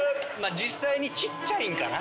実際にちっちゃいんかな。